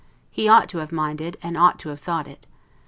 He ought both to have minded, and to have thought it.